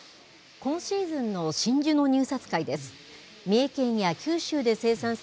今シーズンの真珠の入札会です。